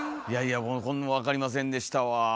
いやいや分かりませんでしたわ。